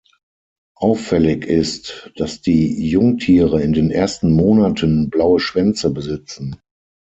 Auffällig ist, dass die Jungtiere in den ersten Monaten blaue Schwänze besitzen.